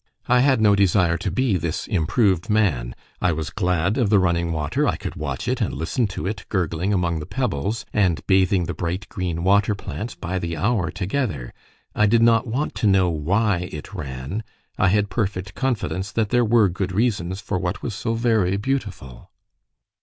I had no desire to be this improved man; I was glad of the running water; I could watch it and listen to it gurgling among the pebbles, and bathing the bright green water plants, by the hour together. I did not want to know why it ran; I had perfect confidence that there were good reasons for what was so very beautiful.